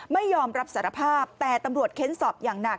ไม่ยอมรับสารภาพแต่ตำรวจเค้นสอบอย่างหนัก